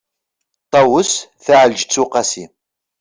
ṭawes taεelǧeţ uqasi